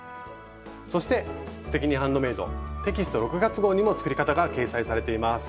そして「すてきにハンドメイド」テキスト６月号にも作り方が掲載されています。